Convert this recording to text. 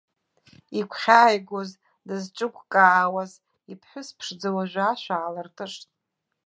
Игәхьааигоз, дызҿыгәкаауаз иԥҳәыс ԥшӡа уажәы ашә аалыртышт.